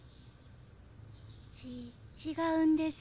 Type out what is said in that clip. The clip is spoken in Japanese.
ち違うんです。